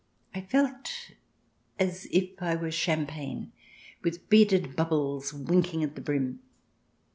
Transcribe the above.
I felt as if I were champagne, with beaded bubbles winking at the brim.